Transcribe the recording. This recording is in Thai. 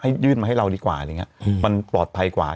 ให้ยื่นมาให้เราดีกว่ามันปลอดภัยกว่า